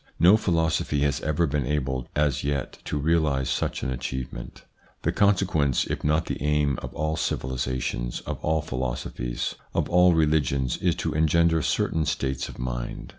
No philosophy has ever been able as yet to realise such an achievement. The consequence, if not the aim, of all civilisations, of all philosophies, of all religions is to engender certain states of mind.